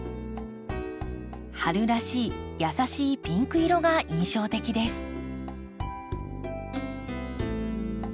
春らしい優しいピンク色が印象的です。